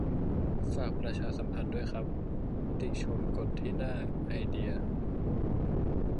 ฝากประชาสัมพันธ์ด้วยครับ ติชมกดที่หน้า "ไอเดีย"